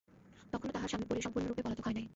তখনো তাহার স্বামী সম্পূর্ণরূপে পলাতক হয় নাই।